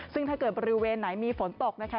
ซึ่งถ้าเกิดบริเวณไหนมีฝนตกนะคะ